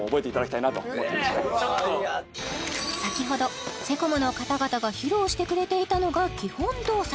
様も先ほどセコムの方々が披露してくれていたのが基本動作